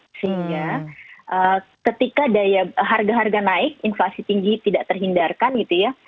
sehingga ketika harga harga naik inflasi tinggi tidak terhindarkan gitu ya